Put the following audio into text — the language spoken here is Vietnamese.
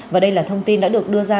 và đây là thông tin đã được đưa ra